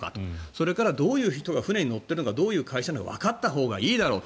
それからどういう人が船に乗っているのかどういう会社なのかわかったほうがいいだろう。